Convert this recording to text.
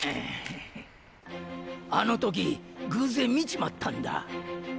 あの時偶然見ちまったんだ。